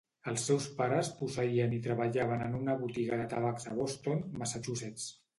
Els seus pares posseïen i treballaven en una botiga de tabacs a Boston, Massachusetts.